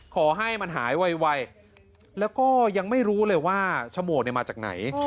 ขอให้มันหายไวแล้วก็ยังไม่รู้เลยว่าโฉมวกมาจากไหน